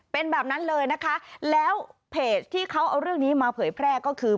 เป็นแบบนั้นเลยนะคะแล้วเพจที่เขาเอาเรื่องนี้มาเผยแพร่ก็คือ